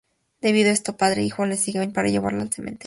Debido a esto, padre e hijo le siguen para llevarla al cementerio.